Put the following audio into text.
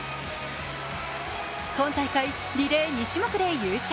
今大会、リレー２種目で優勝。